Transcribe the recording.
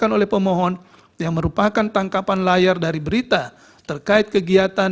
dan berdasarkan kajian awal laporan terkait pelanggaran pemilu dalam kegiatan kementerian pertahanan